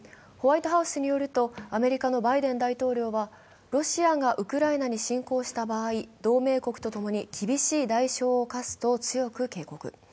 ホワイトハウスによると、アメリカのバイデン大統領はロシアがウクライナに侵攻した場合同盟国と共に厳しい代償を科すと強く警告。